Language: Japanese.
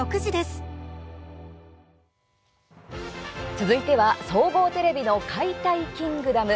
続いては総合テレビの「解体キングダム」。